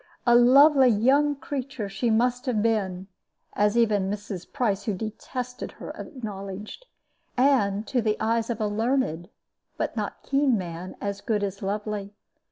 A lovely young creature she must have been (as even Mrs. Price, who detested her, acknowledged), and to the eyes of a learned but not keen man as good as lovely.